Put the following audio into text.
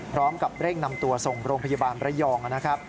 พร้อมกับเร่งนำตัวส่งโรงพยาบาลประยองนะครับ